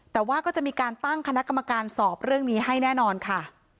แต่ว่าก็จะมีการตั้งคณะกรรมการสอบเรื่องนี้ให้แน่นอนค่ะ